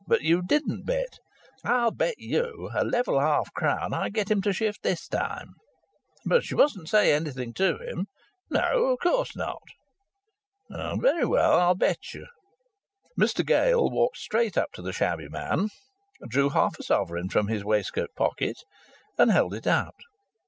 But you didn't bet. I'll bet you a level half crown I get him to shift this time." "But you mustn't say anything to him." "No of course not." "Very well, I'll bet you." Mr Gale walked straight up to the shabby man, drew half a sovereign from his waistcoat pocket, and held it out.